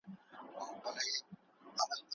په دغه کوڅې کي ماشومان تل پلي ګرځي.